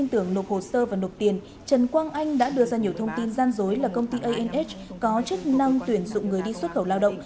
trần quang anh đã đưa ra nhiều thông tin gian dối là công ty anh nh có chức năng tuyển dụng người đi xuất khẩu lao động